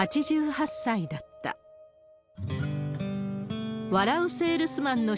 ８８歳だった。笑